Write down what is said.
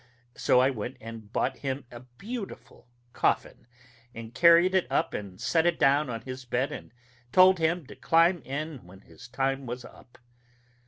So I went and bought him a beautiful coffin, and carried it up and set it down on his bed and told him to climb in when his time was up.